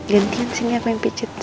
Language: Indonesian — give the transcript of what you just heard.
gantiin sini aku yang pijetin